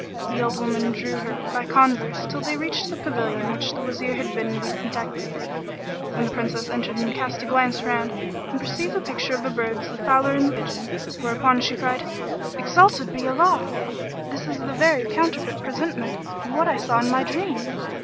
[FN#43] The old woman drew her on by converse till they reached the pavilion which the Wazir had bidden be decorated, when the Princess entered and cast a glance round and perceived the picture of the birds the fowler and the pigeon; whereupon she cried, "Exalted be Allah! This is the very counterfeit presentment of what I saw in my dream."